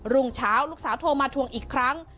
รุ่งเช้าลูกสาวโทรมาทวงอีกครั้ง